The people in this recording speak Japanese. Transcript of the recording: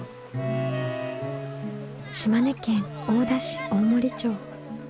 島根県大田市大森町。